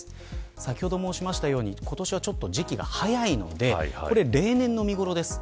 先ほど申しましたように今年はちょっと時期が早いのでこれは例年の見頃です。